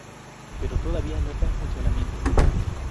Pero todavía no está en funcionamiento.